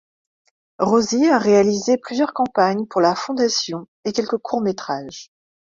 Rosi a réalisé plusieurs campagnes pour la fondation et quelques courts métrages.